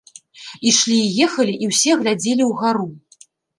Ішлі і ехалі і ўсе глядзелі ўгару.